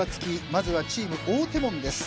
まずはチーム「大手門」です。